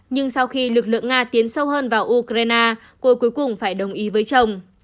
nhưng sau khi lực lượng nga tiến sâu hơn vào ukraine cô cuối cùng phải đồng ý với chồng